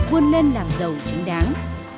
buôn lên làm giàu chính đáng